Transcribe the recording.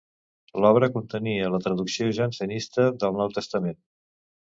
L'obra contenia la traducció jansenista del Nou Testament.